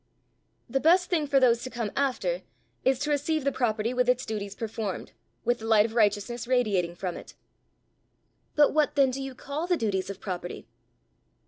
"The best thing for those to come after, is to receive the property with its duties performed, with the light of righteousness radiating from it." "But what then do you call the duties of property?"